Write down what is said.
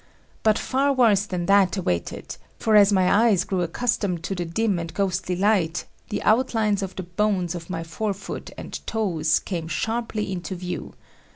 But far worse than that awaited, for as my eyes grew accustomed to the dim and ghostly light the outlines of the bones of my forefoot and toes came VJi_ ROENTGEN'S RAY r sharply into view.